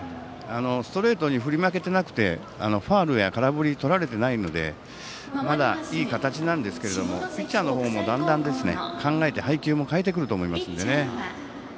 ストレートに振り負けていなくて、ファウルや空振りをとられていないのでまだいい形なんですけれどもピッチャーの方もだんだん考えて配球も変えてくると思いますので。